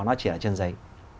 nó chỉ là chân giấy